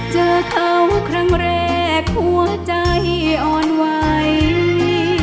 เจอเขาครั้งแรกหัวใจอ่อนไหว